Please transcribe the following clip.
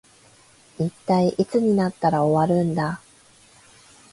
一体いつになったら終わるんだ